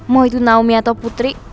mau itu naomi atau putri